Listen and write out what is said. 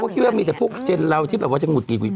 คิดว่ามีแต่พวกเจนเราที่แบบว่าจะหุดกี่หวิด